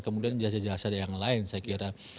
kemudian jasa jasa yang lain saya kira